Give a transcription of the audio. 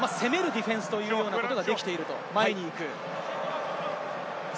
攻めるディフェンスというのができている、前に行く。